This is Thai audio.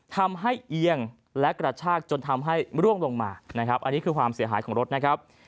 เอียงและกระชากจนทำให้ร่วงลงมานะครับอันนี้คือความเสียหายของรถนะครับ